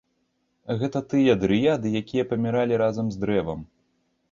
Гэта тыя дрыяды, якія паміралі разам з дрэвам.